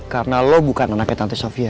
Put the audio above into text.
karena lo bukan anaknya tante sofia